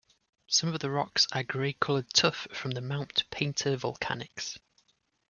Some of the rocks are grey coloured tuff from the Mount Painter Volcanics.